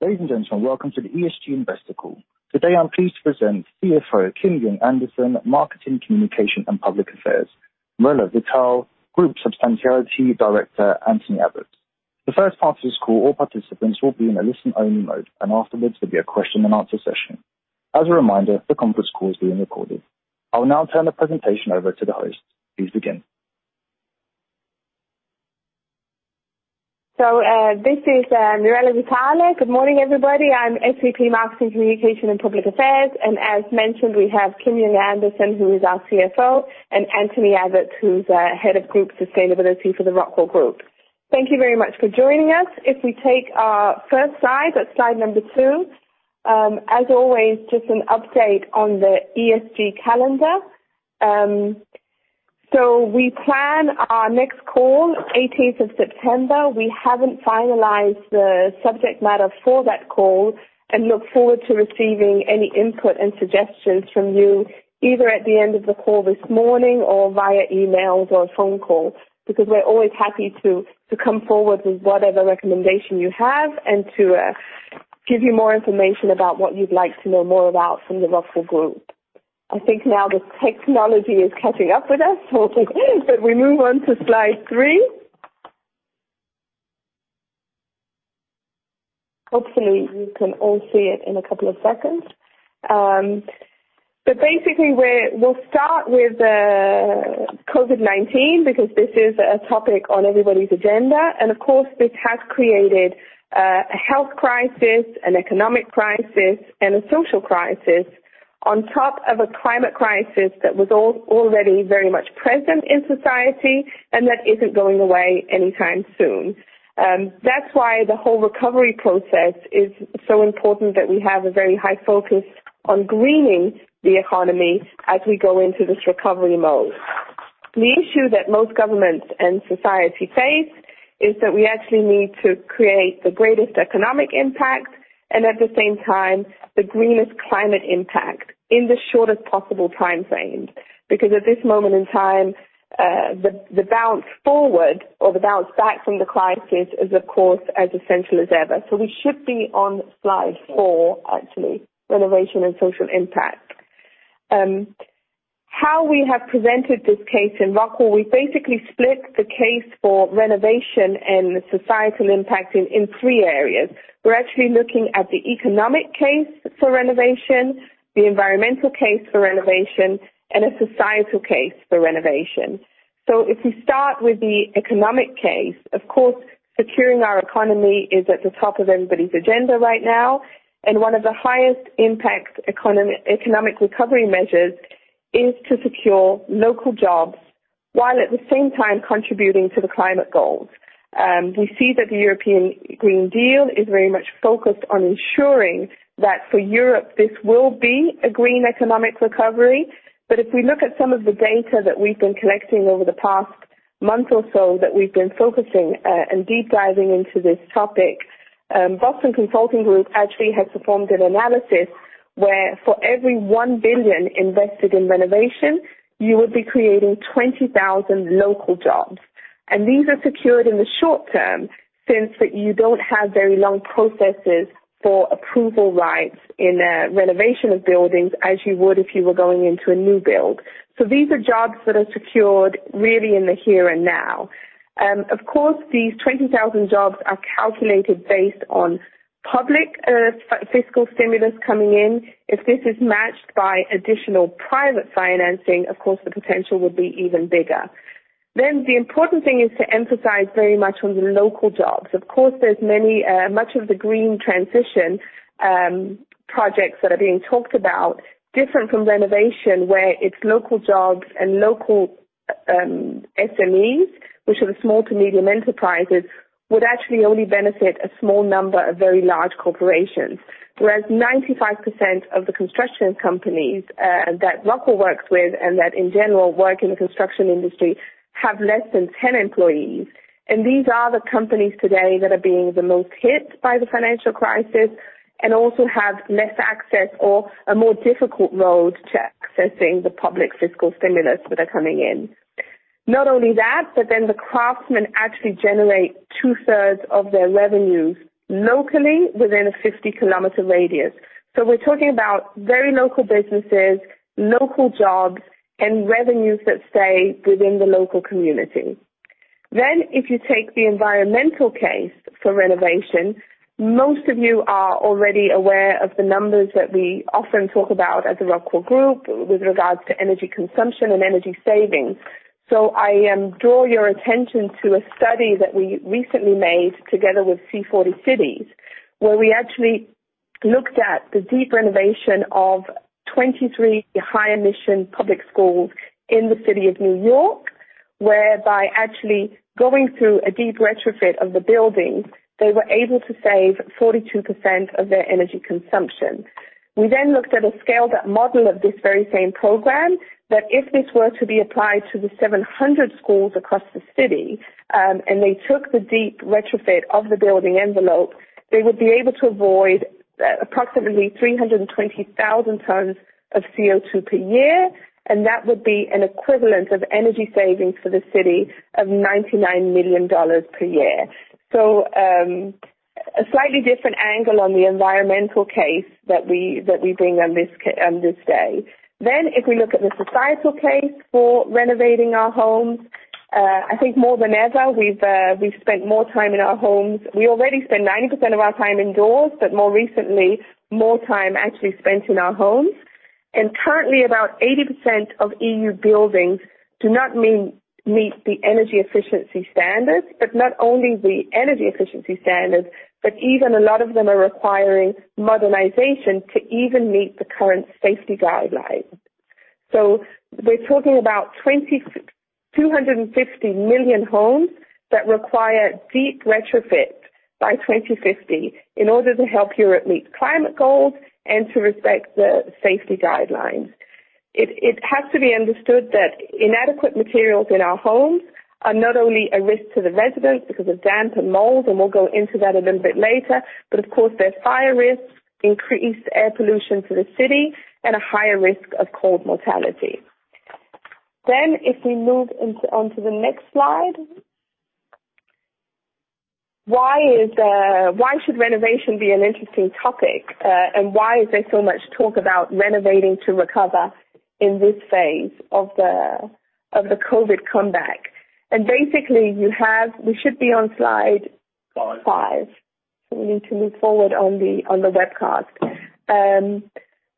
Ladies and gentlemen, welcome to the ESG Investor Call. Today I'm pleased to present CFO Kim Junge Andersen, Marketing, Communication, and Public Affairs, Mirella Vitale, Group Sustainability Director, Anthony Abbotts. The first part of this call, all participants will be in a listen-only mode, and afterwards there'll be a question-and-answer session. As a reminder, the conference call is being recorded. I'll now turn the presentation over to the host. Please begin. This is Mirella Vitale. Good morning, everybody. I'm SVP Marketing, Communication, and Public Affairs. And as mentioned, we have Kim Junge Andersen, who is our CFO, and Anthony Abbotts, who's head of Group Sustainability for the ROCKWOOL Group. Thank you very much for joining us. If we take our first slide, that's slide number two. As always, just an update on the ESG calendar. We plan our next call, 18th of September. We haven't finalized the subject matter for that call and look forward to receiving any input and suggestions from you, either at the end of the call this morning or via emails or a phone call, because we're always happy to come forward with whatever recommendation you have and to give you more information about what you'd like to know more about from the ROCKWOOL Group. I think now the technology is catching up with us, so that we move on to slide three. Hopefully, you can all see it in a couple of seconds, but basically, we'll start with COVID-19, because this is a topic on everybody's agenda, and of course, this has created a health crisis, an economic crisis, and a social crisis on top of a climate crisis that was already very much present in society and that isn't going away anytime soon. That's why the whole recovery process is so important that we have a very high focus on greening the economy as we go into this recovery mode. The issue that most governments and society face is that we actually need to create the greatest economic impact and at the same time the greenest climate impact in the shortest possible time frame, because at this moment in time, the bounce forward or the bounce back from the crisis is, of course, as essential as ever. So we should be on slide four, actually, renovation and social impact. How we have presented this case in ROCKWOOL, we've basically split the case for renovation and societal impact in three areas. We're actually looking at the economic case for renovation, the environmental case for renovation, and a societal case for renovation. So if we start with the economic case, of course, securing our economy is at the top of everybody's agenda right now. One of the highest impact economic recovery measures is to secure local jobs while at the same time contributing to the climate goals. We see that the European Green Deal is very much focused on ensuring that for Europe, this will be a green economic recovery. If we look at some of the data that we've been collecting over the past month or so that we've been focusing and deep diving into this topic, Boston Consulting Group actually has performed an analysis where for every one billion invested in renovation, you would be creating 20,000 local jobs. These are secured in the short term since you don't have very long processes for approval rights in renovation of buildings as you would if you were going into a new build. These are jobs that are secured really in the here and now. Of course, these 20,000 jobs are calculated based on public fiscal stimulus coming in. If this is matched by additional private financing, of course, the potential would be even bigger. Then the important thing is to emphasize very much on the local jobs. Of course, there's many much of the green transition projects that are being talked about different from renovation where it's local jobs and local SMEs, which are the small to medium enterprises, would actually only benefit a small number of very large corporations, whereas 95% of the construction companies that ROCKWOOL works with and that in general work in the construction industry have less than 10 employees, and these are the companies today that are being the most hit by the financial crisis and also have less access or a more difficult road to accessing the public fiscal stimulus that are coming in. Not only that, but then the craftsmen actually generate two-thirds of their revenues locally within a 50 km radius. So we're talking about very local businesses, local jobs, and revenues that stay within the local community. Then if you take the environmental case for renovation, most of you are already aware of the numbers that we often talk about as a ROCKWOOL Group with regards to energy consumption and energy savings. So I draw your attention to a study that we recently made together with C40 Cities, where we actually looked at the deep renovation of 23 high-emission public schools in the city of New York, whereby actually going through a deep retrofit of the buildings, they were able to save 42% of their energy consumption. We then looked at a scale-up model of this very same program that if this were to be applied to the 700 schools across the city and they took the deep retrofit of the building envelope, they would be able to avoid approximately 320,000 tons of CO2 per year. And that would be an equivalent of energy savings for the city of $99 million per year. So a slightly different angle on the environmental case that we bring on this day. Then if we look at the societal case for renovating our homes, I think more than ever we've spent more time in our homes. We already spend 90% of our time indoors, but more recently, more time actually spent in our homes. Currently, about 80% of EU buildings do not meet the energy efficiency standards, but not only the energy efficiency standards, but even a lot of them are requiring modernization to even meet the current safety guidelines. We're talking about 250 million homes that require deep retrofit by 2050 in order to help Europe meet climate goals and to respect the safety guidelines. It has to be understood that inadequate materials in our homes are not only a risk to the residents because of damp and mold, and we'll go into that a little bit later, but of course, there's fire risk, increased air pollution for the city, and a higher risk of cold mortality. If we move on to the next slide, why should renovation be an interesting topic? Why is there so much talk about renovating to recover in this phase of the COVID comeback? And basically, we should be on slide five. So we need to move forward on the webcast.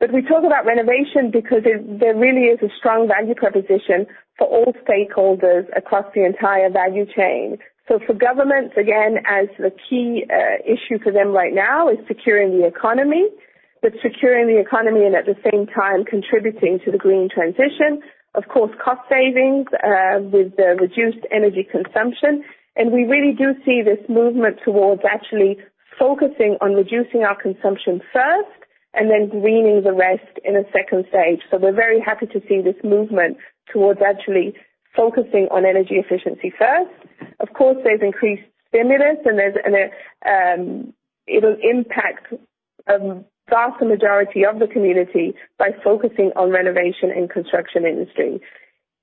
But we talk about renovation because there really is a strong value proposition for all stakeholders across the entire value chain. So for governments, again, as the key issue for them right now is securing the economy, but securing the economy and at the same time contributing to the green transition, of course, cost savings with the reduced energy consumption. And we really do see this movement towards actually focusing on reducing our consumption first and then greening the rest in a second stage. So we're very happy to see this movement towards actually focusing on energy efficiency first. Of course, there's increased stimulus and it'll impact a vast majority of the community by focusing on renovation and construction industry.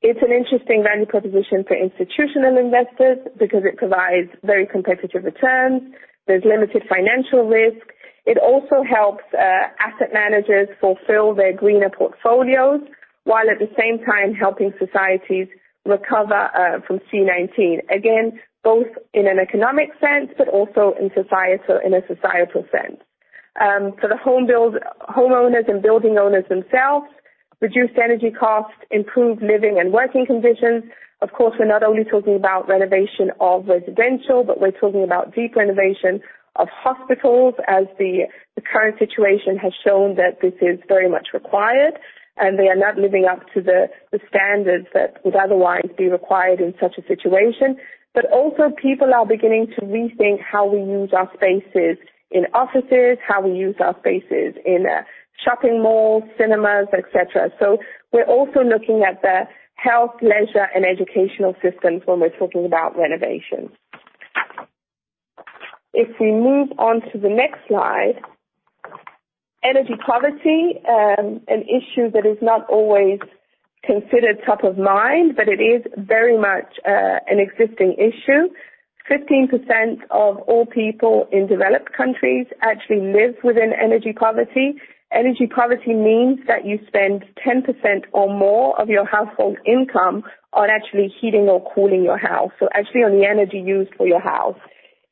It's an interesting value proposition for institutional investors because it provides very competitive returns. There's limited financial risk. It also helps asset managers fulfill their greener portfolios while at the same time helping societies recover from COVID-19, again, both in an economic sense, but also in a societal sense. For the homeowners and building owners themselves, reduced energy costs, improved living and working conditions. Of course, we're not only talking about renovation of residential, but we're talking about deep renovation of hospitals as the current situation has shown that this is very much required and they are not living up to the standards that would otherwise be required in such a situation, but also people are beginning to rethink how we use our spaces in offices, how we use our spaces in shopping malls, cinemas, etc. We're also looking at the health, leisure, and educational systems when we're talking about renovation. If we move on to the next slide, energy poverty, an issue that is not always considered top of mind, but it is very much an existing issue. 15% of all people in developed countries actually live within energy poverty. Energy poverty means that you spend 10% or more of your household income on actually heating or cooling your house, so actually on the energy used for your house.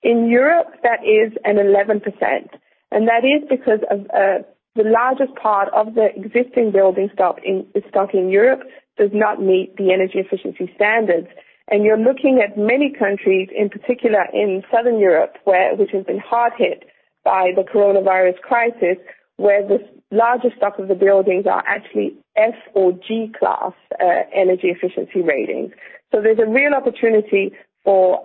In Europe, that is an 11%. And that is because the largest part of the existing building stock in Europe does not meet the energy efficiency standards. And you're looking at many countries, in particular in Southern Europe, which has been hard hit by the coronavirus crisis, where the largest stock of the buildings are actually F or G class energy efficiency ratings. So there's a real opportunity for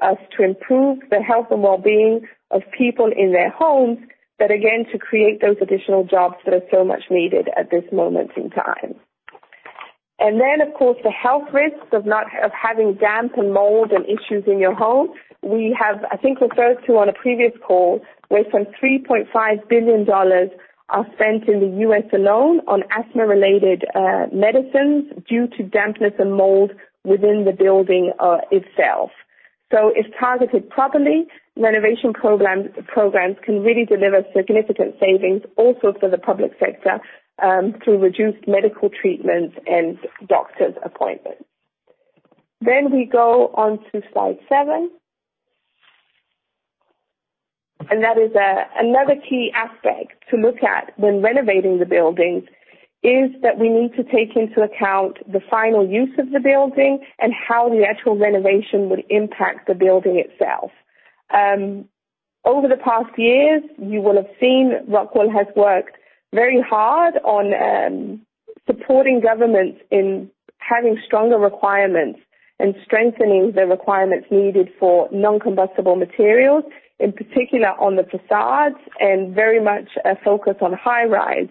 us to improve the health and well-being of people in their homes, but again, to create those additional jobs that are so much needed at this moment in time. And then, of course, the health risks of having damp and mold and issues in your home, we have, I think, referred to on a previous call where some $3.5 billion are spent in the U.S. alone on asthma-related medicines due to dampness and mold within the building itself. So if targeted properly, renovation programs can really deliver significant savings also for the public sector through reduced medical treatments and doctors' appointments. Then we go on to slide seven. And that is another key aspect to look at when renovating the buildings is that we need to take into account the final use of the building and how the actual renovation would impact the building itself. Over the past years, you will have seen ROCKWOOL has worked very hard on supporting governments in having stronger requirements and strengthening the requirements needed for non-combustible materials, in particular on the facades and very much a focus on high rise.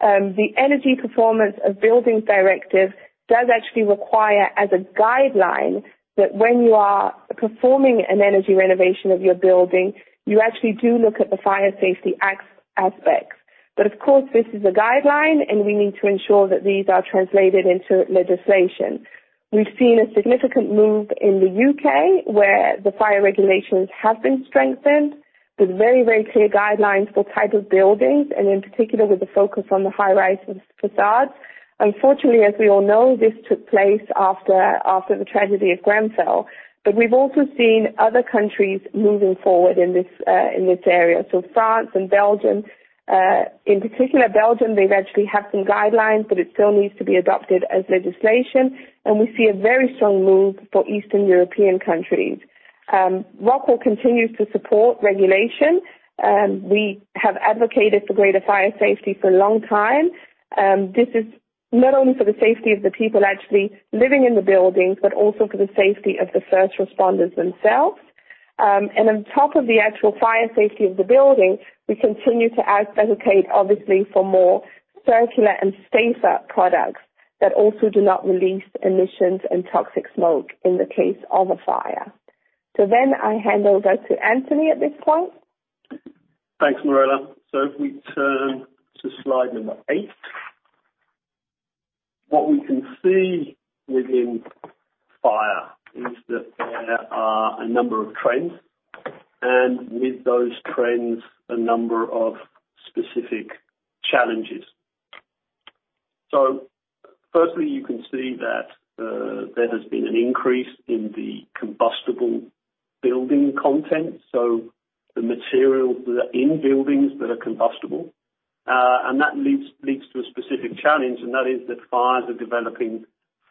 The Energy Performance of Buildings Directive does actually require as a guideline that when you are performing an energy renovation of your building, you actually do look at the fire safety aspects. But of course, this is a guideline, and we need to ensure that these are translated into legislation. We've seen a significant move in the U.K. where the fire regulations have been strengthened with very, very clear guidelines for types of buildings and in particular with the focus on the high-rise facades. Unfortunately, as we all know, this took place after the tragedy of Grenfell. But we've also seen other countries moving forward in this area. So France and Belgium, in particular Belgium, they've actually had some guidelines, but it still needs to be adopted as legislation. And we see a very strong move for Eastern European countries. Rockwool continues to support regulation. We have advocated for greater fire safety for a long time. This is not only for the safety of the people actually living in the buildings, but also for the safety of the first responders themselves. On top of the actual fire safety of the building, we continue to advocate, obviously, for more circular and safer products that also do not release emissions and toxic smoke in the case of a fire. Then I hand over to Anthony at this point. Thanks, Mirella. If we turn to slide number eight, what we can see within fire is that there are a number of trends and with those trends, a number of specific challenges. Firstly, you can see that there has been an increase in the combustible building content, so the materials that are in buildings that are combustible. That leads to a specific challenge, and that is that fires are developing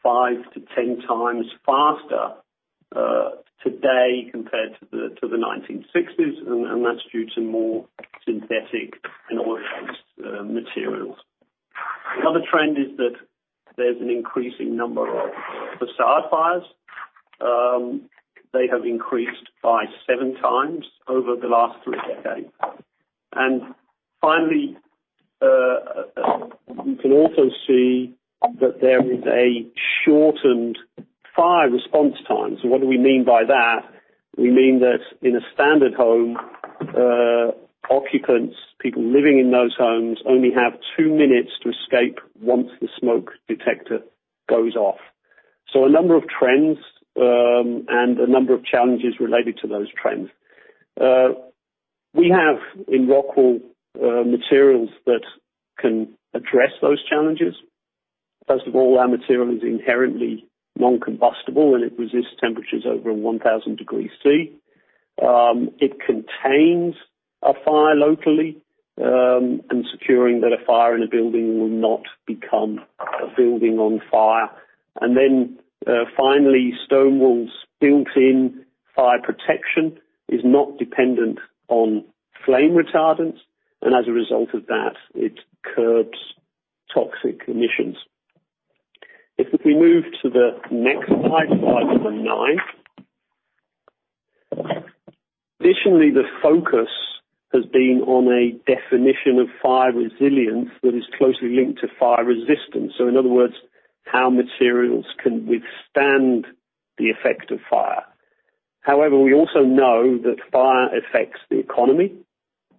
five to 10 times faster today compared to the 1960s, and that's due to more synthetic and oil-based materials. Another trend is that there's an increasing number of facade fires. They have increased by seven times over the last three decades, and finally, we can also see that there is a shortened fire response time, so what do we mean by that? We mean that in a standard home, occupants, people living in those homes only have two minutes to escape once the smoke detector goes off, so a number of trends and a number of challenges related to those trends. We have in Rockwool materials that can address those challenges. First of all, our material is inherently non-combustible and it resists temperatures over 1,000 degrees Celsius. It contains a fire locally and securing that a fire in a building will not become a building on fire, and then finally, stone wool's built-in fire protection is not dependent on flame retardants, and as a result of that, it curbs toxic emissions. If we move to the next slide, slide number nine, additionally, the focus has been on a definition of fire resilience that is closely linked to fire resistance. So in other words, how materials can withstand the effect of fire. However, we also know that fire affects the economy,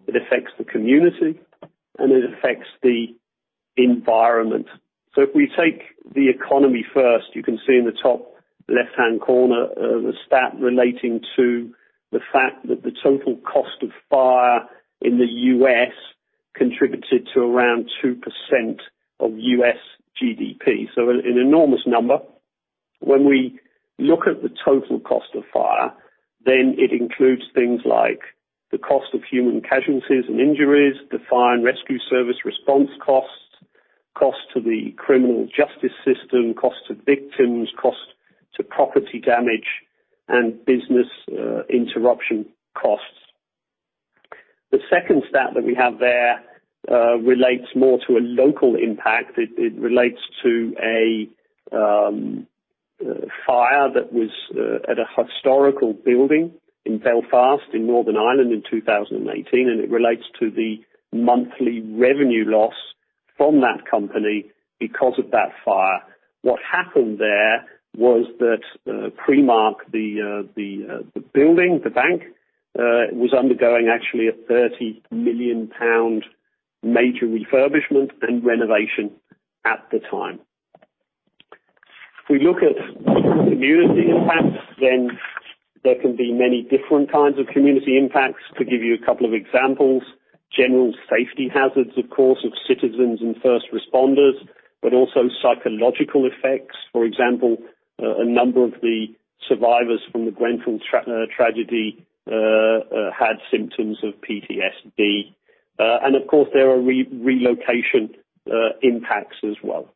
it affects the community, and it affects the environment. So if we take the economy first, you can see in the top left-hand corner the stat relating to the fact that the total cost of fire in the U.S. contributed to around 2% of U.S. GDP. So an enormous number. When we look at the total cost of fire, then it includes things like the cost of human casualties and injuries, the fire and rescue service response costs, cost to the criminal justice system, cost to victims, cost to property damage, and business interruption costs. The second stat that we have there relates more to a local impact. It relates to a fire that was at a historical building in Belfast in Northern Ireland in 2018, and it relates to the monthly revenue loss from that company because of that fire. What happened there was that Primark, the building, the bank, was undergoing actually a 30 million pound major refurbishment and renovation at the time. If we look at community impacts, then there can be many different kinds of community impacts. To give you a couple of examples, general safety hazards, of course, of citizens and first responders, but also psychological effects. For example, a number of the survivors from the Grenfell tragedy had symptoms of PTSD, and of course, there are relocation impacts as well.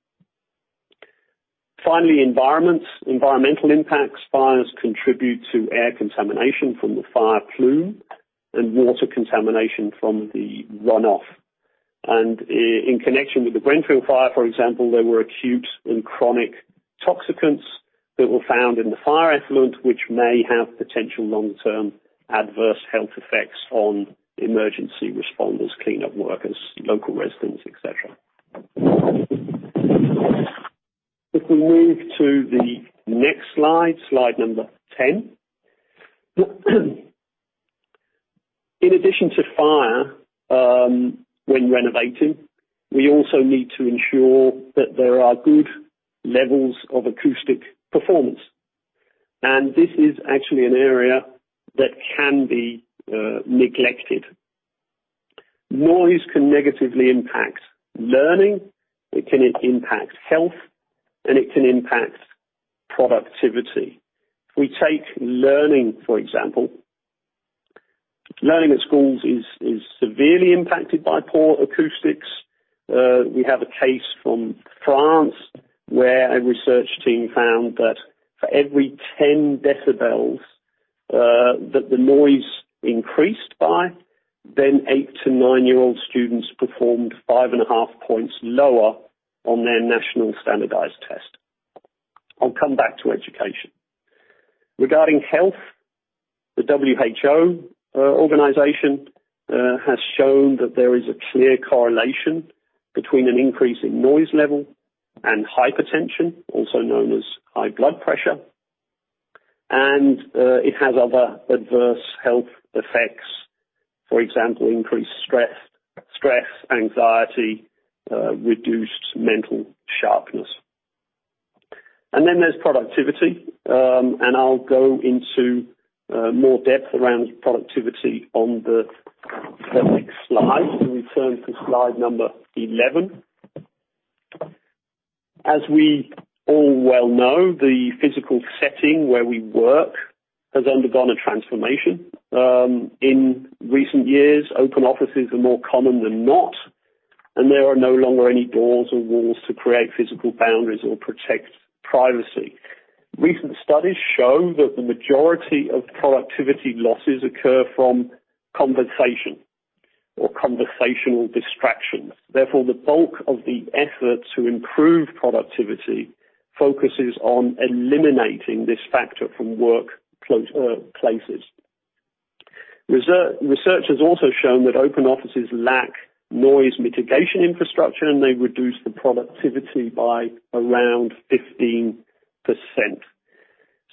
Finally, environmental impacts. Fires contribute to air contamination from the fire plume and water contamination from the runoff. In connection with the Grenfell fire, for example, there were acute and chronic toxicants that were found in the fire effluent, which may have potential long-term adverse health effects on emergency responders, cleanup workers, local residents, etc. If we move to the next slide, slide number 10. In addition to fire, when renovating, we also need to ensure that there are good levels of acoustic performance. This is actually an area that can be neglected. Noise can negatively impact learning. It can impact health, and it can impact productivity. If we take learning, for example, learning at schools is severely impacted by poor acoustics. We have a case from France where a research team found that for every 10 decibels that the noise increased by, then eight- to nine-year-old students performed five and a half points lower on their national standardized test. I'll come back to education. Regarding health, the WHO organization has shown that there is a clear correlation between an increase in noise level and hypertension, also known as high blood pressure, and it has other adverse health effects, for example, increased stress, anxiety, reduced mental sharpness, and then there's productivity, and I'll go into more depth around productivity on the next slide. We turn to slide number 11. As we all well know, the physical setting where we work has undergone a transformation in recent years. Open offices are more common than not, and there are no longer any doors or walls to create physical boundaries or protect privacy. Recent studies show that the majority of productivity losses occur from conversation or conversational distractions. Therefore, the bulk of the effort to improve productivity focuses on eliminating this factor from workplaces. Research has also shown that open offices lack noise mitigation infrastructure, and they reduce the productivity by around 15%.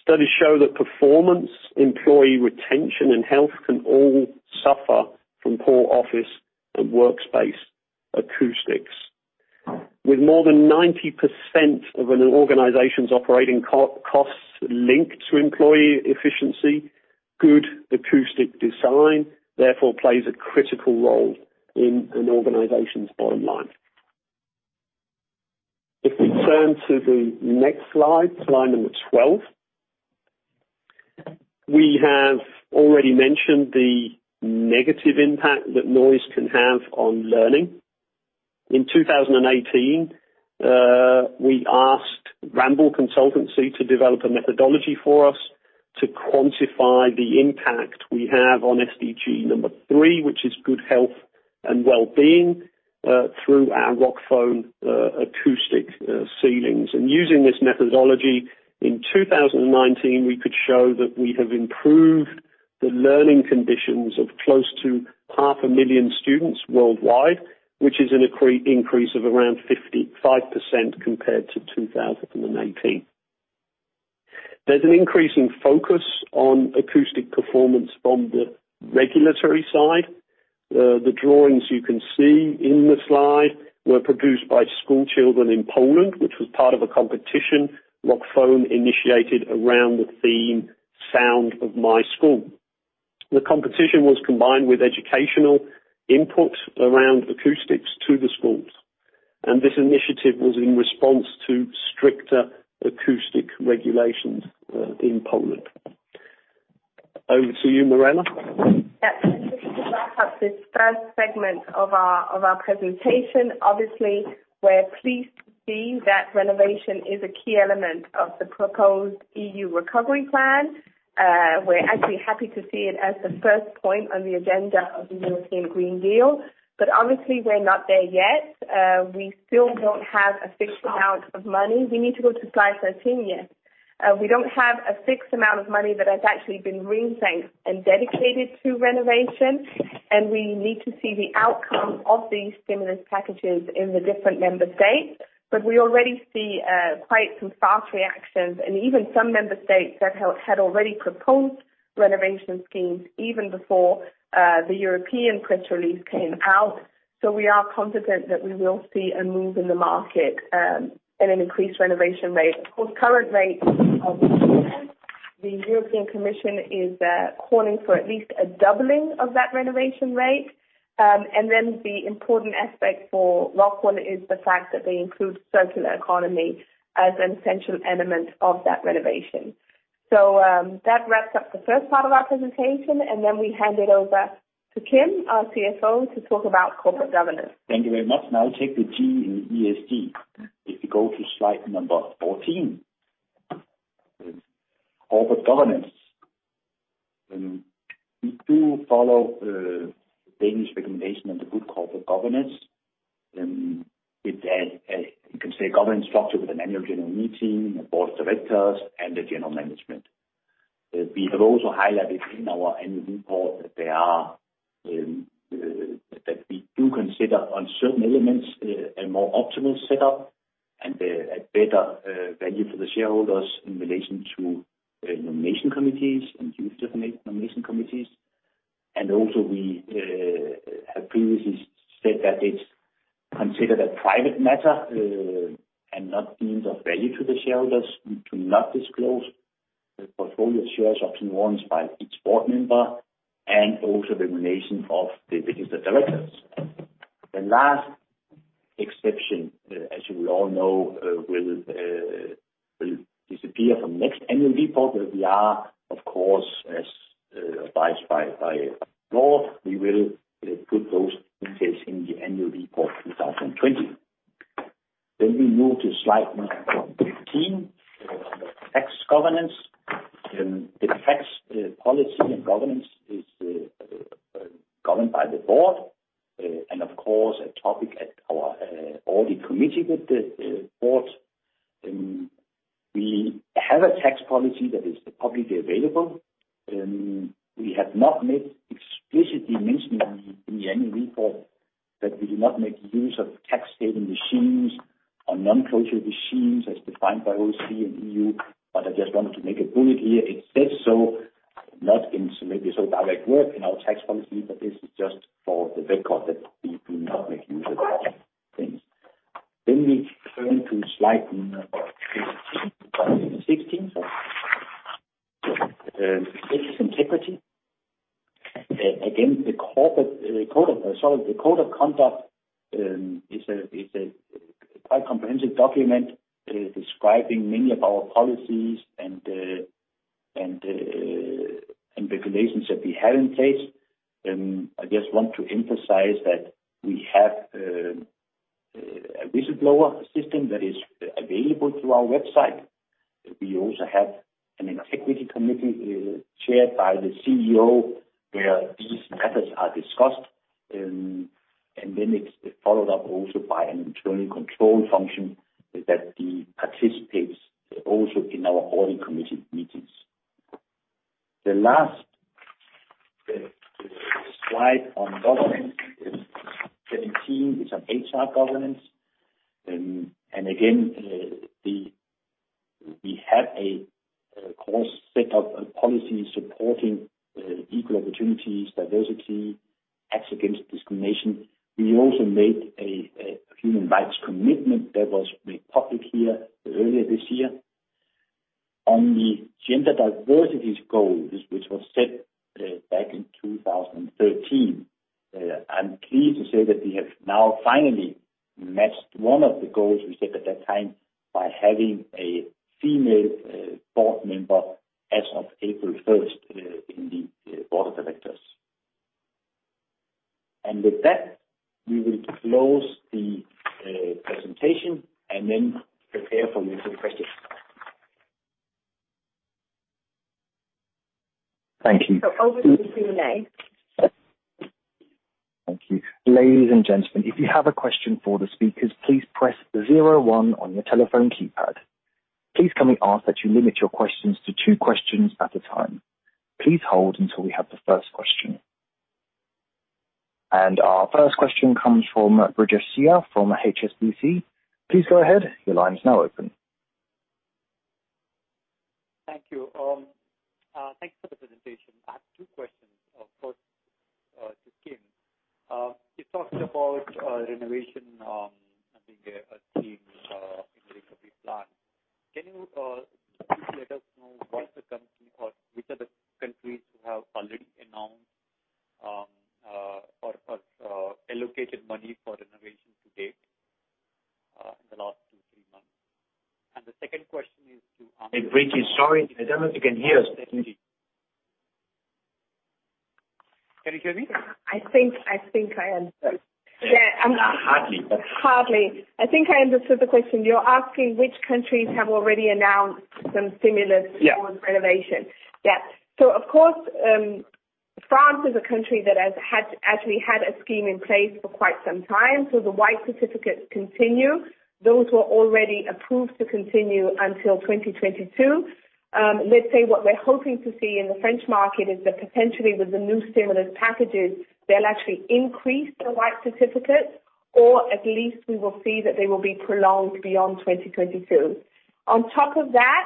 Studies show that performance, employee retention, and health can all suffer from poor office and workspace acoustics. With more than 90% of an organization's operating costs linked to employee efficiency, good acoustic design, therefore, plays a critical role in an organization's bottom line. If we turn to the next slide, slide number 12, we have already mentioned the negative impact that noise can have on learning. In 2018, we asked Ramboll to develop a methodology for us to quantify the impact we have on SDG number 3, which is good health and well-being, through our ROCKWOOL acoustic ceilings. Using this methodology in 2019, we could show that we have improved the learning conditions of close to 500,000 students worldwide, which is an increase of around 55% compared to 2018. There's an increase in focus on acoustic performance from the regulatory side. The drawings you can see in the slide were produced by schoolchildren in Poland, which was part of a competition ROCKWOOL initiated around the theme "Sound of My School." The competition was combined with educational inputs around acoustics to the schools. This initiative was in response to stricter acoustic regulations in Poland. Over to you, Mirella. Yeah. Just to wrap up this first segment of our presentation, obviously, we're pleased to see that renovation is a key element of the proposed EU recovery plan. We're actually happy to see it as the first point on the agenda of the European Green Deal. Obviously, we're not there yet. We still don't have a fixed amount of money. We need to go to slide 13 yet. We don't have a fixed amount of money that has actually been rented and dedicated to renovation. We need to see the outcome of these stimulus packages in the different member states. We already see quite some fast reactions, and even some member states have already proposed renovation schemes even before the European press release came out. We are confident that we will see a move in the market and an increased renovation rate. Of course, current rates are weak. The European Commission is calling for at least a doubling of that renovation rate. Then the important aspect for ROCKWOOL is the fact that they include circular economy as an essential element of that renovation. So that wraps up the first part of our presentation. And then we hand it over to Kim, our CFO, to talk about corporate governance. Thank you very much. Now take the G in ESG. If you go to slide number 14, corporate governance. We do follow Danish recommendation on the good corporate governance. You can say governance structure with an annual general meeting, a Board of Directors, and a general management. We have also highlighted in our annual report that we do consider on certain elements a more optimal setup and a better value for the shareholders in relation to nomination committees and use of nomination committees. And also, we have previously said that it's considered a private matter and not deemed of value to the shareholders to not disclose portfolio shares often warrants by each board member and also the nomination of the directors. The last exception, as you will all know, will disappear from the next annual report. But we are, of course, as advised by law, we will put those details in the annual report 2020. Then we move to slide number 15, tax governance. The tax policy and governance is governed by the board. And of course, a topic at our Audit Committee with the board. We have a tax policy that is publicly available. We have not explicitly mentioned in the annual report that we do not make use of tax havens or shell companies as defined by OECD and EU. But I just wanted to make a bullet here. It says so, not in so many words in our tax policy, but this is just for the record that we do not make use of those things. Then we turn to slide number 16. This is integrity. Again, the code of conduct is a quite comprehensive document describing many of our policies and regulations that we have in place. I just want to emphasize that we have a whistleblower system that is available through our website. We also have an Integrity Committee chaired by the CEO where these matters are discussed. And then it's followed up also by an internal control function that participates also in our Audit Committee meetings. The last slide on governance is 17. It's on HR governance. And again, we have a core set of policies supporting equal opportunities, diversity, acts against discrimination. We also made a human rights commitment that was made public here earlier this year on the gender diversity goals, which was set back in 2013. I'm pleased to say that we have now finally matched one of the goals we set at that time by having a female board member as of April 1st in the board of directors, and with that, we will close the presentation and then prepare for your questions. Thank you. Over to you, René. Thank you. Ladies and gentlemen, if you have a question for the speakers, please press 01 on your telephone keypad. Please kindly ask that you limit your questions to two questions at a time. Please hold until we have the first question, and our first question comes from Brijesh Siya from HSBC. Please go ahead. Your line is now open. Thank you. Thanks for the presentation. I have two questions. First, to Kim. You talked about renovation being a theme in the recovery plan. Can you please let us know what is the company or which are the countries who have already announced or allocated money for renovation to date in the last two, three months? And the second question is to. Hey, Brijesh. Sorry. I don't know if you can hear us. Can you hear me? I think I understood. Yeah. Hardly. I think I understood the question. You're asking which countries have already announced some stimulus towards renovation. Yeah. So of course, France is a country that has actually had a scheme in place for quite some time. So the White Certificates continue. Those were already approved to continue until 2022. Let's say what we're hoping to see in the French market is that potentially with the new stimulus packages, they'll actually increase the White Certificates, or at least we will see that they will be prolonged beyond 2022. On top of that,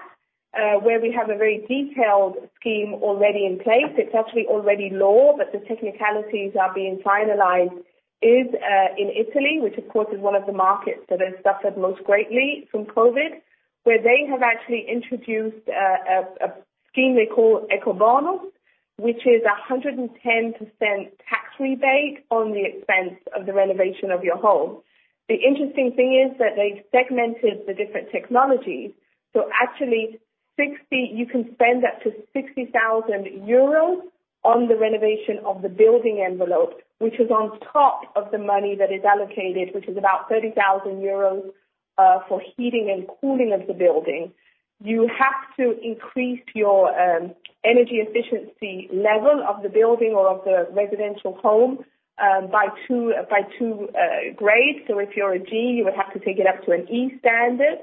where we have a very detailed scheme already in place, it's actually already law, but the technicalities are being finalized, is in Italy, which of course is one of the markets that has suffered most greatly from COVID, where they have actually introduced a scheme they call Ecobonus, which is a 110% tax rebate on the expense of the renovation of your home. The interesting thing is that they segmented the different technologies. So actually, you can spend up to 60,000 euros on the renovation of the building envelope, which is on top of the money that is allocated, which is about 30,000 euros for heating and cooling of the building. You have to increase your energy efficiency level of the building or of the residential home by two grades. So if you're a G, you would have to take it up to an E standard.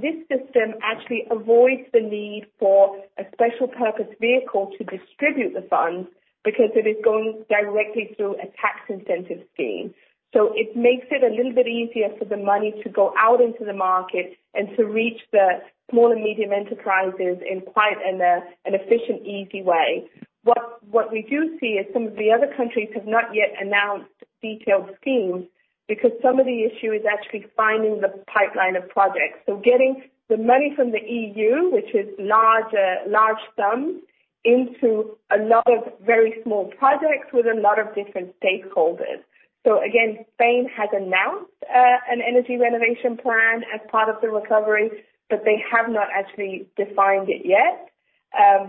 This system actually avoids the need for a special purpose vehicle to distribute the funds because it is going directly through a tax incentive scheme. So it makes it a little bit easier for the money to go out into the market and to reach the small and medium enterprises in quite an efficient, easy way. What we do see is some of the other countries have not yet announced detailed schemes because some of the issue is actually finding the pipeline of projects. So getting the money from the EU, which is large sums, into a lot of very small projects with a lot of different stakeholders. So again, Spain has announced an energy renovation plan as part of the recovery, but they have not actually defined it yet.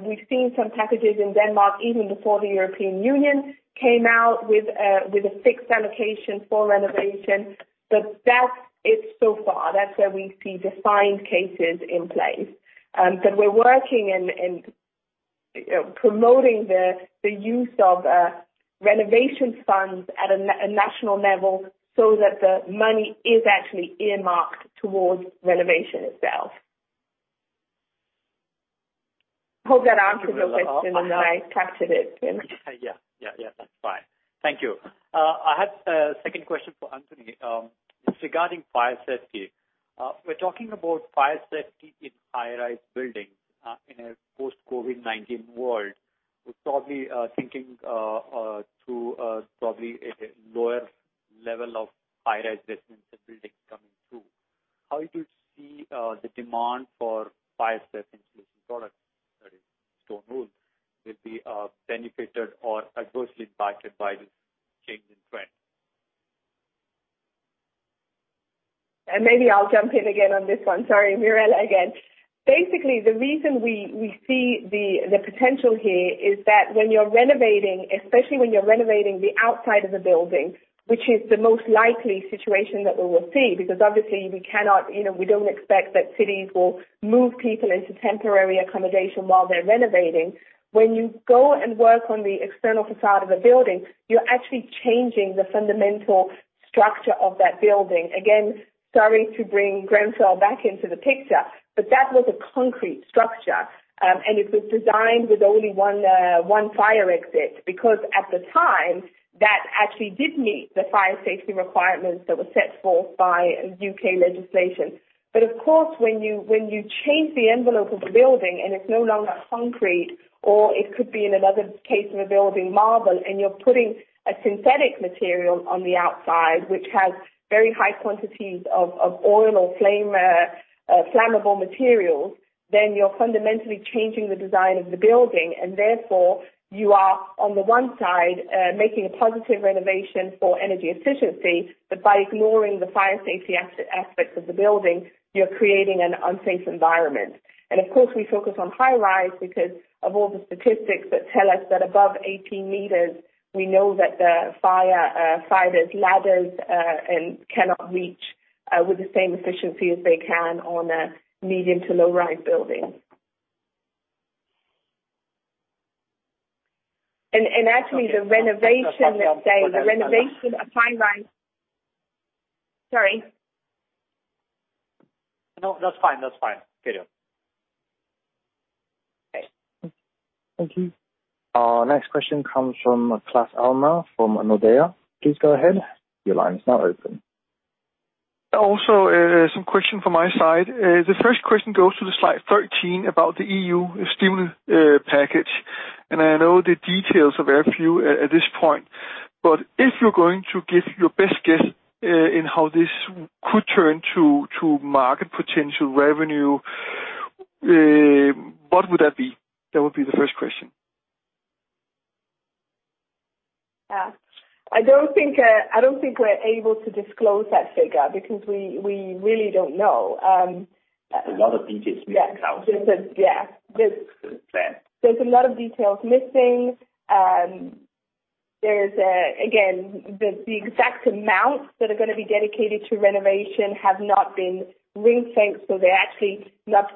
We've seen some packages in Denmark even before the European Union came out with a fixed allocation for renovation. But that's it so far. That's where we see defined cases in place. But we're working and promoting the use of renovation funds at a national level so that the money is actually earmarked towards renovation itself. Hope that answers your question and that I captured it. Yeah. Yeah. Yeah. That's fine. Thank you. I have a second question for Anthony. It's regarding fire safety. We're talking about fire safety in high-rise buildings in a post-COVID-19 world. We're probably thinking through a lower level of high-rise residential buildings coming through. How do you see the demand for fire safety solution products, that is, stone wool, will be benefited or adversely impacted by this change in trend? And maybe I'll jump in again on this one. Sorry, Mirella, again. Basically, the reason we see the potential here is that when you're renovating, especially when you're renovating the outside of the building, which is the most likely situation that we will see because obviously we don't expect that cities will move people into temporary accommodation while they're renovating. When you go and work on the external facade of a building, you're actually changing the fundamental structure of that building. Again, sorry to bring Grenfell back into the picture, but that was a concrete structure. And it was designed with only one fire exit because at the time, that actually did meet the fire safety requirements that were set forth by U.K. legislation. But of course, when you change the envelope of the building and it's no longer concrete, or it could be in another case of a building, marble, and you're putting a synthetic material on the outside, which has very high quantities of oil or flammable materials, then you're fundamentally changing the design of the building. And therefore, you are, on the one side, making a positive renovation for energy efficiency, but by ignoring the fire safety aspects of the building, you're creating an unsafe environment. And of course, we focus on high-rise because of all the statistics that tell us that above 18 meters, we know that the firefighters' ladders cannot reach with the same efficiency as they can on a medium to low-rise building. And actually, the renovation of high-rise sorry. No, that's fine. That's fine. Okay. Thank you. Next question comes from Claus Almer from Nordea. Please go ahead. Your line is now open. Also, some questions from my side. The first question goes to slide 13 about the EU stimulus package, and I know the details are very few at this point, but if you're going to give your best guess in how this could turn to market potential revenue, what would that be? That would be the first question. I don't think we're able to disclose that figure because we really don't know. There's a lot of details missing out. Yeah. There's a lot of details missing. There's, again, the exact amounts that are going to be dedicated to renovation have not been ring-fenced, so they're actually not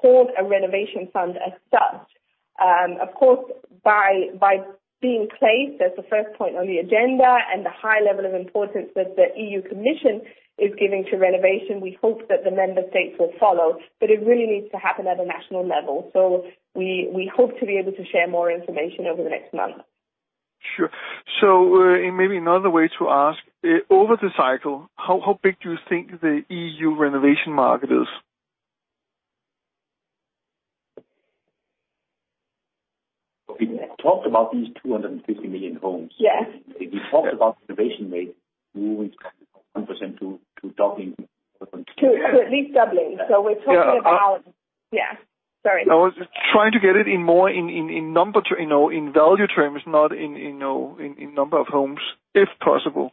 called a renovation fund as such. Of course, by being placed as the first point on the agenda and the high level of importance that the EU Commission is giving to renovation, we hope that the member states will follow. But it really needs to happen at a national level. So we hope to be able to share more information over the next month. Sure. So maybe another way to ask, over the cycle, how big do you think the EU renovation market is? We talked about these 250 million homes. We talked about renovation rates, moving 1% to double. To at least double. So we're talking about. Sorry. I was trying to get it more in value terms, not in number of homes, if possible.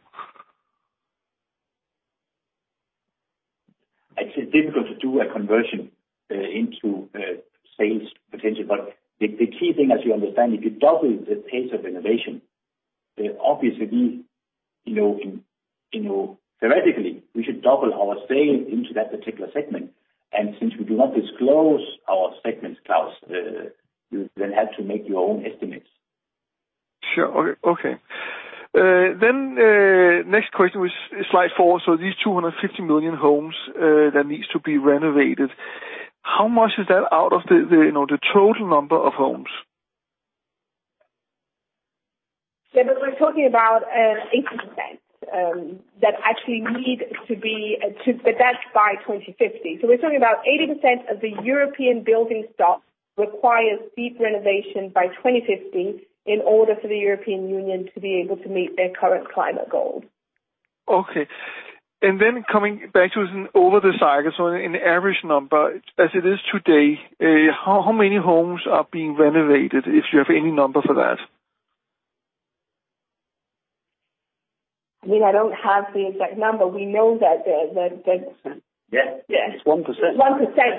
It's difficult to do a conversion into sales potential. But the key thing, as you understand, if you double the pace of renovation, obviously, theoretically, we should double our sales into that particular segment, and since we do not disclose our segments, Claus, you then have to make your own estimates. Sure. Okay, then next question was slide four. So these 250 million homes that need to be renovated, how much is that out of the total number of homes? Yeah, but we're talking about 80% that actually need to be to that by 2050, so we're talking about 80% of the European building stock requires deep renovation by 2050 in order for the European Union to be able to meet their current climate goals. Okay, and then coming back to over the cycle, so in average number, as it is today, how many homes are being renovated, if you have any number for that? I mean, I don't have the exact number. It's 1%.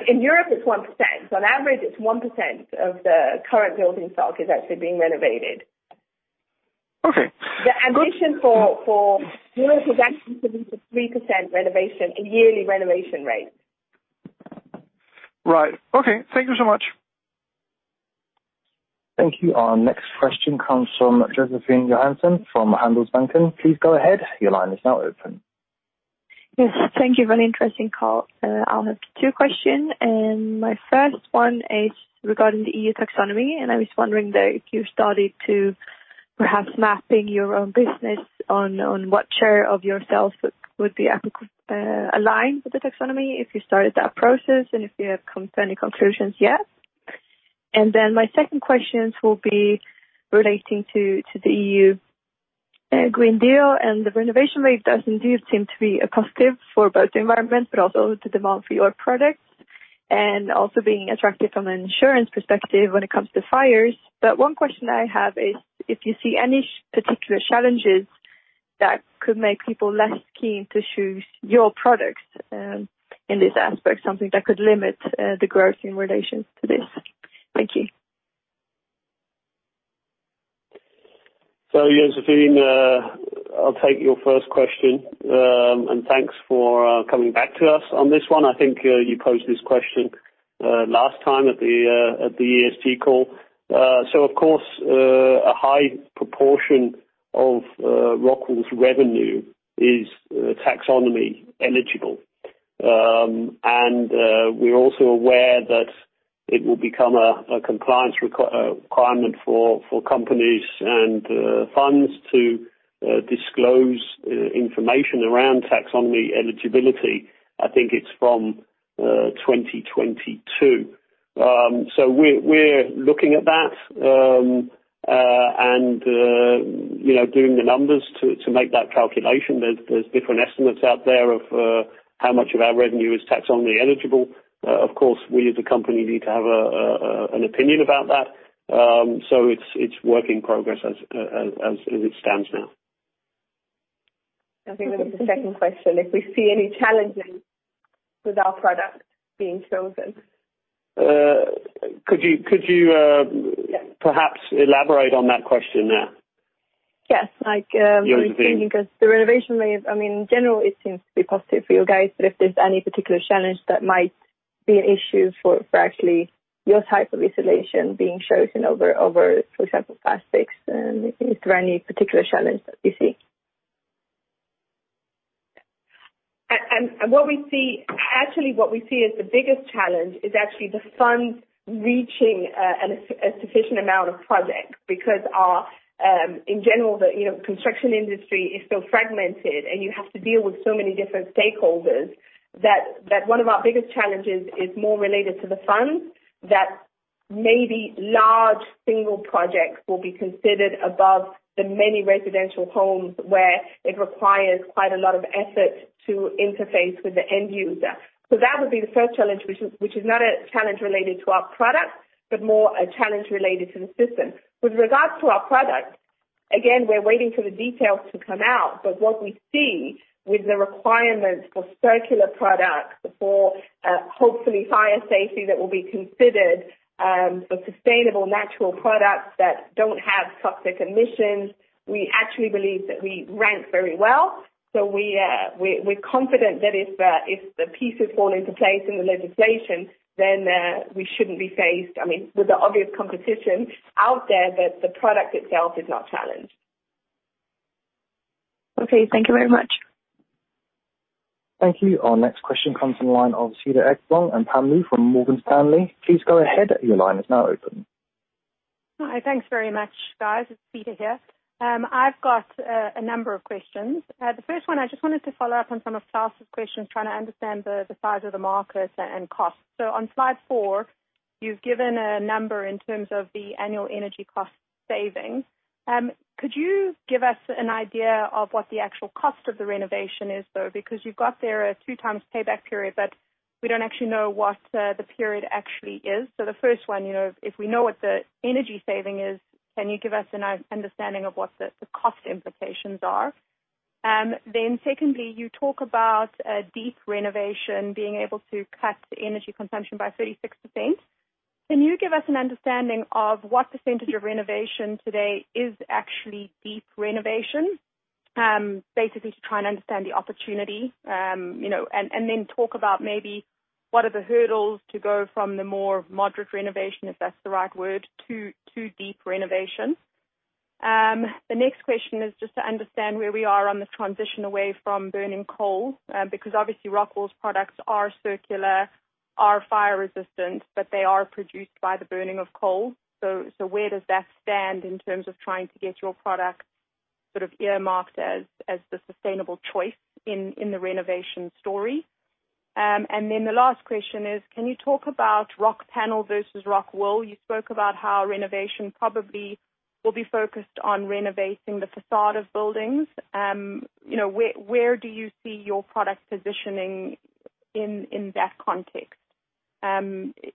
In Europe, it's 1%. So on average, it's 1% of the current building stock is actually being renovated. The ambition for Europe is actually to reach a 3% yearly renovation rate. Right. Okay. Thank you so much. Thank you. Our next question comes from Josefine Johansen from Handelsbanken. Please go ahead. Your line is now open. Yes. Thank you for an interesting call. I'll have two questions. My first one is regarding the EU Taxonomy. I was wondering if you started to perhaps mapping your own business on what share of yourself would be aligned with the taxonomy, if you started that process, and if you have come to any conclusions yet. My second question will be relating to the EU Green Deal. And the renovation rate does indeed seem to be a positive for both the environment, but also the demand for your products, and also being attractive from an insurance perspective when it comes to fires. But one question I have is if you see any particular challenges that could make people less keen to choose your products in this aspect, something that could limit the growth in relation to this. Thank you. So Josefine, I'll take your first question. And thanks for coming back to us on this one. I think you posed this question last time at the ESG call. So of course, a high proportion of ROCKWOOL's revenue is taxonomy eligible. And we're also aware that it will become a compliance requirement for companies and funds to disclose information around taxonomy eligibility. I think it's from 2022. So we're looking at that and doing the numbers to make that calculation. There's different estimates out there of how much of our revenue is taxonomy eligible. Of course, we as a company need to have an opinion about that. So it's work in progress as it stands now. I think that was the second question, if we see any challenges with our product being chosen. Could you perhaps elaborate on that question there? Yes. Josefin. Because the renovation rate, I mean, in general, it seems to be positive for you guys. But if there's any particular challenge that might be an issue for actually your type of insulation being chosen over, for example, plastics, is there any particular challenge that you see? Actually, what we see is the biggest challenge is actually the funds reaching a sufficient amount of projects because, in general, the construction industry is so fragmented, and you have to deal with so many different stakeholders that one of our biggest challenges is more related to the funds that maybe large single projects will be considered above the many residential homes where it requires quite a lot of effort to interface with the end user. So that would be the first challenge, which is not a challenge related to our product, but more a challenge related to the system. With regards to our product, again, we're waiting for the details to come out. But what we see with the requirements for circular products, for hopefully fire safety that will be considered, for sustainable natural products that don't have toxic emissions, we actually believe that we rank very well. We're confident that if the pieces fall into place in the legislation, then we shouldn't be faced, I mean, with the obvious competition out there that the product itself is not challenged. Okay. Thank you very much. Thank you. Our next question comes from the line of Cedar Ekblom and Pam Liu from Morgan Stanley. Please go ahead. Your line is now open. Hi. Thanks very much, guys. It's Peter here. I've got a number of questions. The first one, I just wanted to follow up on some of Claus's questions, trying to understand the size of the market and cost. So on slide four, you've given a number in terms of the annual energy cost saving. Could you give us an idea of what the actual cost of the renovation is, though? Because you've got there a two-times payback period, but we don't actually know what the period actually is. So the first one, if we know what the energy saving is, can you give us an understanding of what the cost implications are? Then secondly, you talk about deep renovation being able to cut energy consumption by 36%. Can you give us an understanding of what percentage of renovation today is actually deep renovation, basically to try and understand the opportunity? And then talk about maybe what are the hurdles to go from the more moderate renovation, if that's the right word, to deep renovation. The next question is just to understand where we are on the transition away from burning coal because obviously ROCKWOOL's products are circular, are fire resistant, but they are produced by the burning of coal. So where does that stand in terms of trying to get your product sort of earmarked as the sustainable choice in the renovation story? And then the last question is, can you talk about Rockpanel versus Rockwool? You spoke about how renovation probably will be focused on renovating the facade of buildings. Where do you see your product positioning in that context?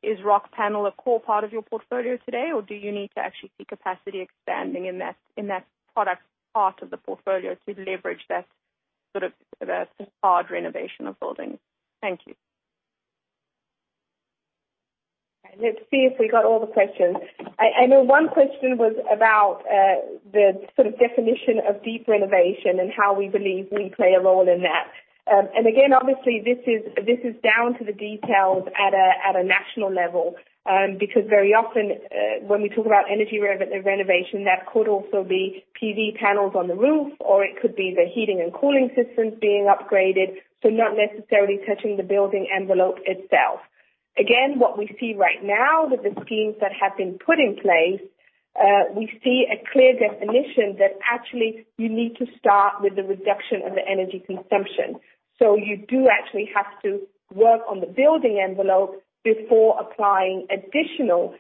Is Rockpanel a core part of your portfolio today, or do you need to actually see capacity expanding in that product part of the portfolio to leverage that sort of facade renovation of buildings? Thank you. Let's see if we got all the questions. I know one question was about the sort of definition of deep renovation and how we believe we play a role in that. Again, obviously, this is down to the details at a national level because very often, when we talk about energy-relevant renovation, that could also be PV panels on the roof, or it could be the heating and cooling systems being upgraded, so not necessarily touching the building envelope itself. Again, what we see right now with the schemes that have been put in place, we see a clear definition that actually you need to start with the reduction of the energy consumption. So you do actually have to work on the building envelope before applying additional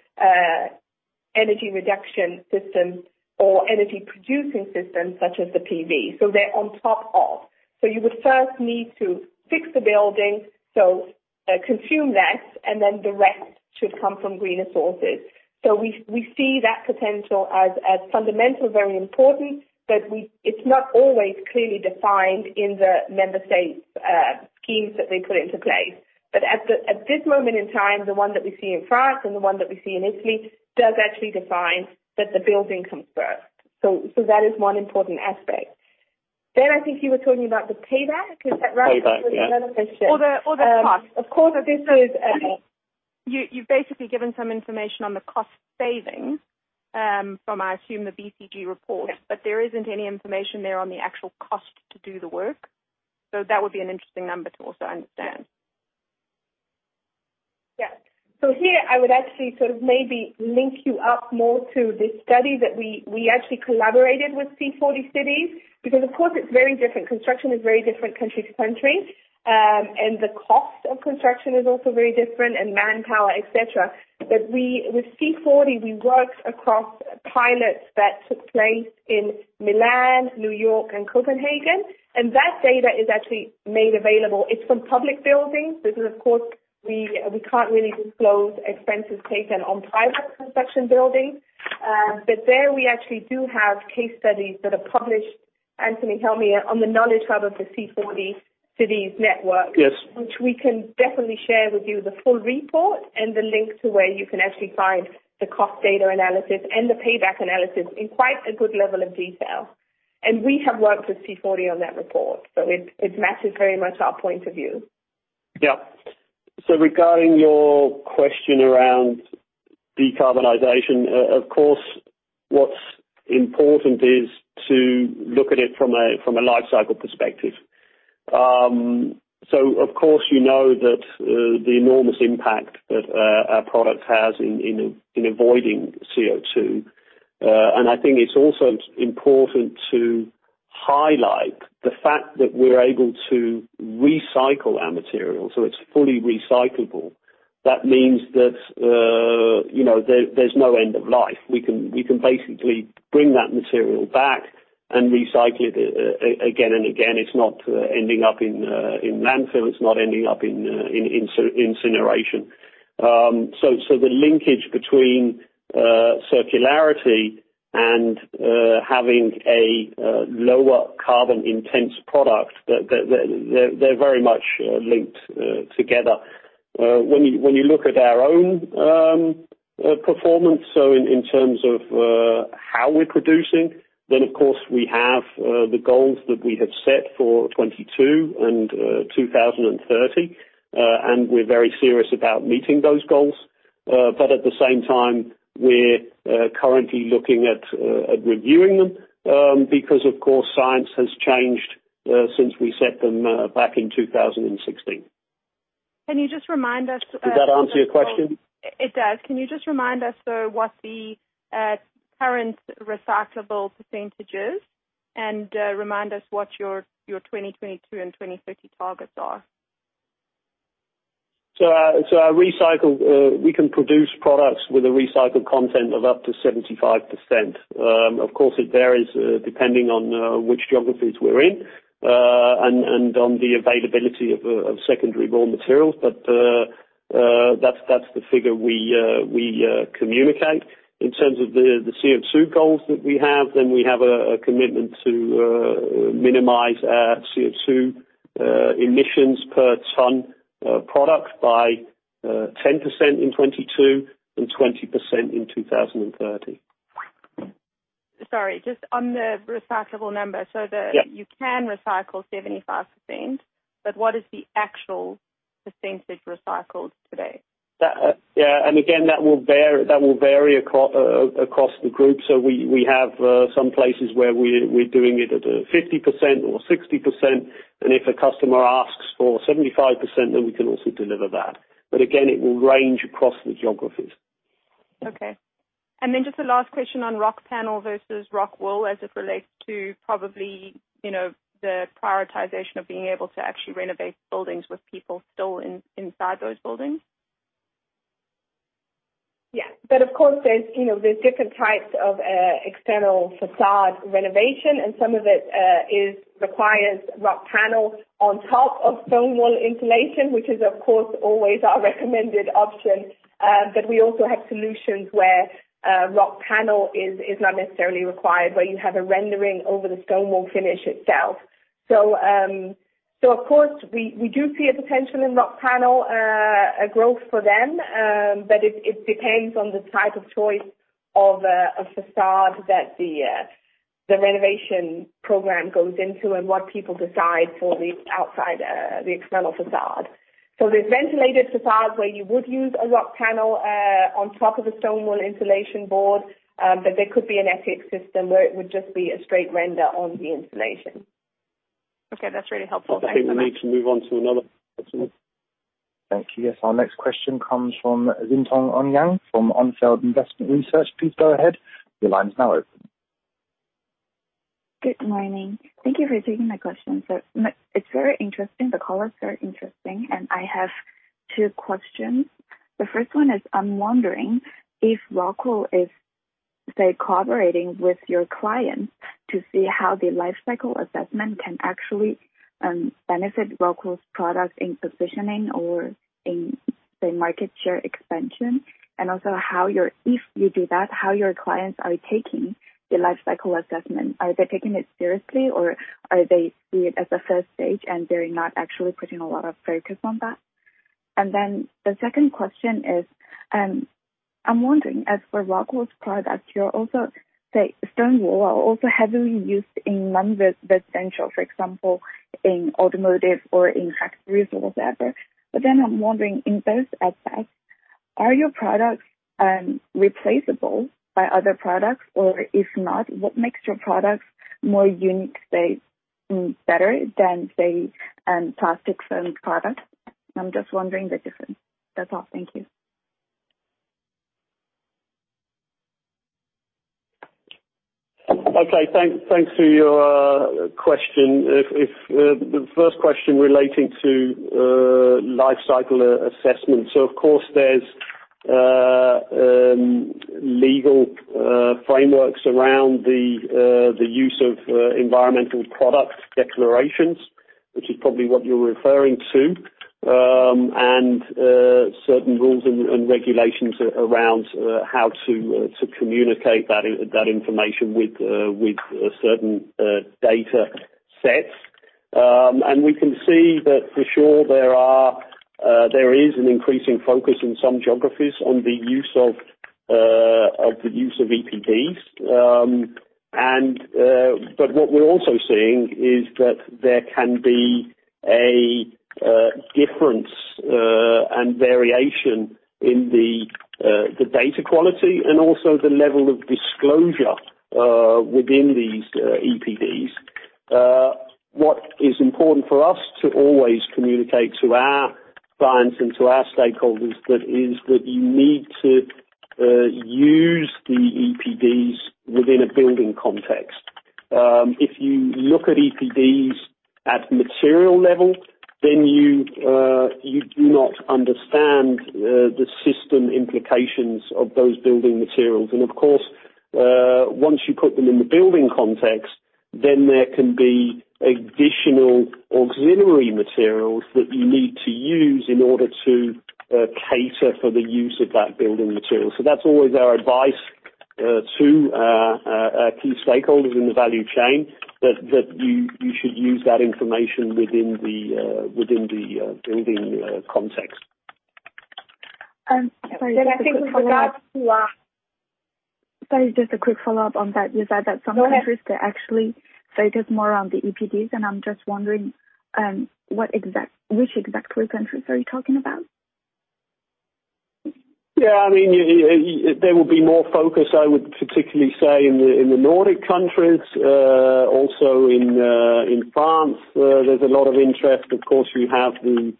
energy reduction systems or energy-producing systems such as the PV. So they're on top of. So you would first need to fix the building so it consumes less, and then the rest should come from greener sources. So we see that potential as fundamental, very important, but it's not always clearly defined in the member states' schemes that they put into place. But at this moment in time, the one that we see in France and the one that we see in Italy does actually define that the building comes first. So that is one important aspect. Then I think you were talking about the payback. Is that right? Payback, yeah. Or the cost. Of course, this is you've basically given some information on the cost savings from, I assume, the BCG report, but there isn't any information there on the actual cost to do the work. So that would be an interesting number to also understand. Yeah. So here, I would actually sort of maybe link you up more to this study that we actually collaborated with C40 Cities because, of course, construction is very different country to country, and the cost of construction is also very different and manpower, etc. But with C40, we worked across pilots that took place in Milan, New York, and Copenhagen. And that data is actually made available. It's from public buildings. This is, of course, we can't really disclose expenses taken on private construction buildings. But there we actually do have case studies that are published. Anthony, help me on the knowledge hub of the C40 Cities network, which we can definitely share with you the full report and the link to where you can actually find the cost data analysis and the payback analysis in quite a good level of detail. We have worked with C40 on that report, so it matches very much our point of view. Yeah. Regarding your question around decarbonization, of course, what's important is to look at it from a lifecycle perspective. Of course, you know that the enormous impact that our product has in avoiding CO2. I think it's also important to highlight the fact that we're able to recycle our material. It's fully recyclable. That means that there's no end of life. We can basically bring that material back and recycle it again and again. It's not ending up in landfill. It's not ending up in incineration. The linkage between circularity and having a lower carbon-intensive product, they're very much linked together. When you look at our own performance, so in terms of how we're producing, then, of course, we have the goals that we have set for 2022 and 2030, and we're very serious about meeting those goals. But at the same time, we're currently looking at reviewing them because, of course, science has changed since we set them back in 2016. Can you just remind us? Does that answer your question? It does. Can you just remind us, though, what the current recyclable percentage is and remind us what your 2022 and 2030 targets are? So we can produce products with a recycled content of up to 75%. Of course, it varies depending on which geographies we're in and on the availability of secondary raw materials. But that's the figure we communicate. In terms of the CO2 goals that we have, then we have a commitment to minimize our CO2 emissions per ton product by 10% in 2022 and 20% in 2030. Sorry. Just on the recyclable number, so you can recycle 75%, but what is the actual percentage recycled today? Yeah. And again, that will vary across the group. So we have some places where we're doing it at 50% or 60%. And if a customer asks for 75%, then we can also deliver that. But again, it will range across the geographies. Okay. And then just the last question on Rockpanel versus Rockwool as it relates to probably the prioritization of being able to actually renovate buildings with people still inside those buildings. Yeah. But of course, there's different types of external facade renovation, and some of it requires Rockpanel on top of stone wool insulation, which is, of course, always our recommended option. But we also have solutions where Rockpanel is not necessarily required, where you have a rendering over the stone wool finish itself. So, of course, we do see a potential in Rockpanel, a growth for them, but it depends on the type of choice of a facade that the renovation program goes into and what people decide for the external facade. So there's ventilated facades where you would use a Rockpanel on top of a stone wool insulation board, but there could be an EIFS system where it would just be a straight render on the insulation. Okay. That's really helpful. Thank you. I think we need to move on to another question. Thank you. Yes. Our next question comes from Xintong Ouyang from OnField Investment Research. Please go ahead. Your line is now open. Good morning. Thank you for taking my question. So it's very interesting. The call is very interesting, and I have two questions. The first one is I'm wondering if Rockwool is, say, collaborating with your clients to see how the life cycle assessment can actually benefit ROCKWOOL's product in positioning or in, say, market share expansion, and also if you do that, how your clients are taking the life cycle assessment. Are they taking it seriously, or are they seeing it as a first stage, and they're not actually putting a lot of focus on that? And then the second question is I'm wondering, as for ROCKWOOL's product, say, stone wool are also heavily used in non-residential, for example, in automotive or in factories or whatever. But then I'm wondering, in those aspects, are your products replaceable by other products? Or if not, what makes your products more unique, say, better than, say, plastic foam products? I'm just wondering the difference. That's all. Thank you. Okay. Thanks for your question. The first question relating to life cycle assessment. So, of course, there's legal frameworks around the use of environmental product declarations, which is probably what you're referring to, and certain rules and regulations around how to communicate that information with certain data sets. And we can see that, for sure, there is an increasing focus in some geographies on the use of EPDs. But what we're also seeing is that there can be a difference and variation in the data quality and also the level of disclosure within these EPDs. What is important for us to always communicate to our clients and to our stakeholders is that you need to use the EPDs within a building context. If you look at EPDs at material level, then you do not understand the system implications of those building materials. And, of course, once you put them in the building context, then there can be additional auxiliary materials that you need to use in order to cater for the use of that building material. So that's always our advice to key stakeholders in the value chain that you should use that information within the building context. Sorry. Just a quick follow-up on that. You said that some countries, they actually focus more on the EPDs, and I'm just wondering which exactly countries are you talking about? Yeah. I mean, there will be more focus, I would particularly say, in the Nordic countries. Also, in France, there's a lot of interest. Of course, you have the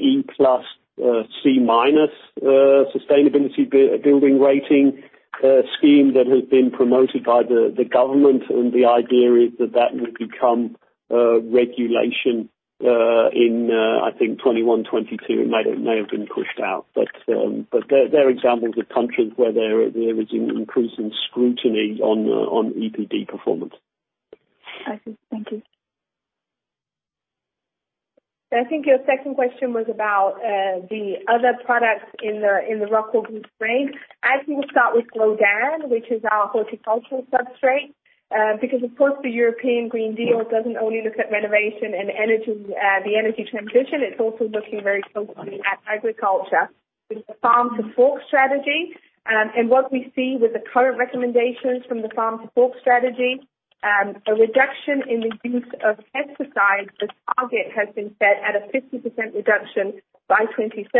E+C- sustainability building rating scheme that has been promoted by the government, and the idea is that that will become regulation in, I think, 2021, 2022. It may have been pushed out. But there are examples of countries where there is increasing scrutiny on EPD performance. I see. Thank you. I think your second question was about the other products in the ROCKWOOL Group range. I think we'll start with Grodan, which is our horticultural substrate because, of course, the European Green Deal doesn't only look at renovation and the energy transition. It's also looking very closely at agriculture with the Farm to Fork Strategy. What we see with the current recommendations from the Farm to Fork Strategy, a reduction in the use of pesticides, the target has been set at a 50% reduction by 2030,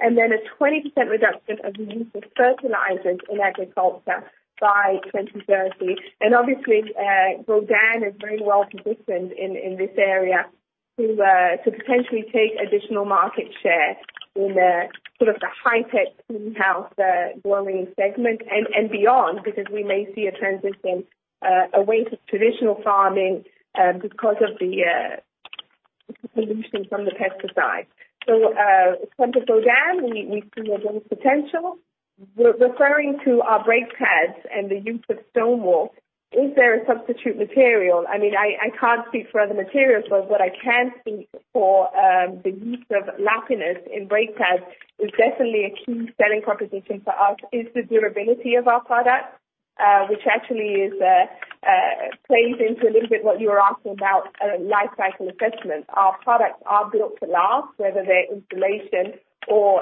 and then a 20% reduction of the use of fertilizers in agriculture by 2030. Obviously, Grodan is very well positioned in this area to potentially take additional market share in sort of the high-tech greenhouse growing segment and beyond because we may see a transition away from traditional farming because of the pollution from the pesticides. It's time to go down. We see a growth potential. Referring to our brake pads and the use of stone wool, is there a substitute material? I mean, I can't speak for other materials, but what I can speak for the use of Lapinus in brake pads is definitely a key selling proposition for us, the durability of our product, which actually plays into a little bit what you were asking about life cycle assessment. Our products are built to last, whether they're insulation or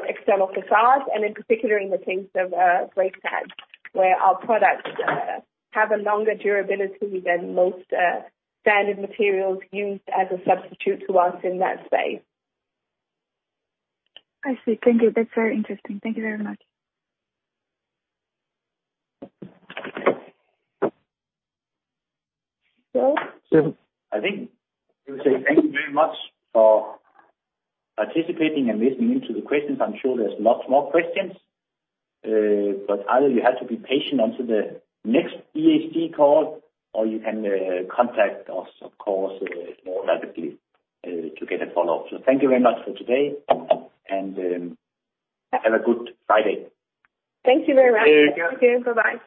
external facades, and in particular in the case of brake pads, where our products have a longer durability than most standard materials used as a substitute to us in that space. I see. Thank you. That's very interesting. Thank you very much. So? I think we'll say thank you very much for participating and listening into the questions. I'm sure there's lots more questions, but either you have to be patient until the next ESG call, or you can contact us, of course, more directly to get a follow-up. So thank you very much for today, and have a good Friday. Thank you very much. Thank you. Bye-bye.